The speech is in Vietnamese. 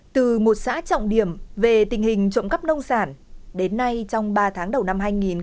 từ một xã trọng điểm về tình hình trộm cắp nông sản đến nay trong ba tháng đầu năm hai nghìn một mươi chín